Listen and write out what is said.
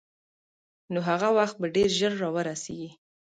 نو هغه وخت به ډېر ژر را ورسېږي.